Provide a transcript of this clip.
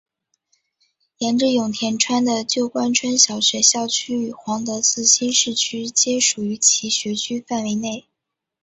沿着永田川的旧宫川小学校校区与皇德寺新市区皆属于其学区范围内。